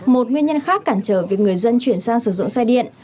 một nguyên nhân khác cản trở việc người dân chuyển sang sử dụng xe điện